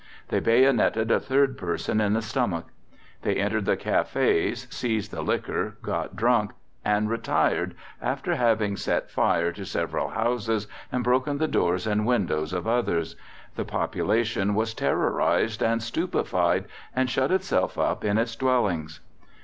They bayoneted a third person in the stomach. They entered the cafes, seized the liquor, got drunk, and retired after having set fire to several houses and broken the doors and windows of others. The population was terrorised and stupefied, and shut itself up in its dwellings.